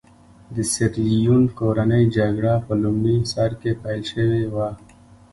د سیریلیون کورنۍ جګړه په لومړي سر کې پیل شوې وه.